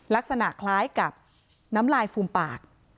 ลักษณะคล้ายกับน้ำลายฟูมปาก